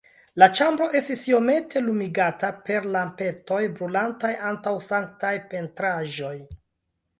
La ĉambro estis iomete lumigata per lampetoj, brulantaj antaŭ sanktaj pentraĵoj.